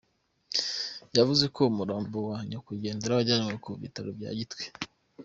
Yavuze ko umurambo wa nyakwigendera wajyanywe ku bitaro bya Gitwe.